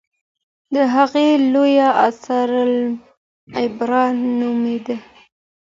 د هغه لوی اثر العبر نومېږي.